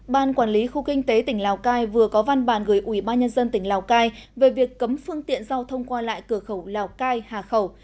ban quản lý khu kinh tế tỉnh lào cai vừa có văn bản gửi ủy ban nhân dân tỉnh lào cai về việc cấm phương tiện giao thông qua lại cửa khẩu lào cai hà khẩu